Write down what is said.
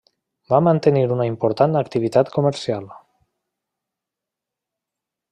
Va mantenir una important activitat comercial.